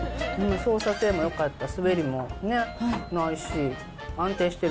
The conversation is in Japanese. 操作性もよかった、滑りもないし、安定してる。